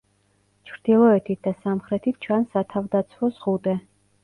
ჩრდილოეთით და სამხრეთით ჩანს სათავდაცვო ზღუდე.